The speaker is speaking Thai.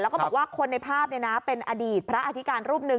แล้วก็บอกว่าคนในภาพเป็นอดีตพระอธิการรูปหนึ่ง